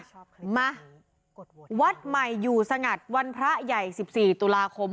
อืมค่ะมาวัดใหม่อยู่สงัดวันพระใหญ่๑๔ตุลาคม